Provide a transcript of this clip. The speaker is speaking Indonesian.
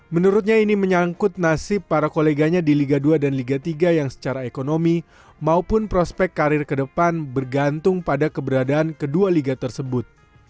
menurutnya ini menyangkut nasib para koleganya di liga dua dan liga tiga yang secara ekonomi maupun prospek karir ke depan bergantung pada keberadaan kedua liga tersebut